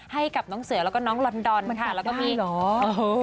ให้กับน้องเสือแล้วก็น้องลอนดอนค่ะแล้วก็มีเหรอ